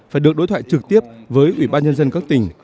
phải được đối thoại trực tiếp với ủy ban nhân dân các tỉnh